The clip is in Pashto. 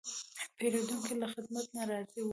پیرودونکی له خدمت نه راضي و.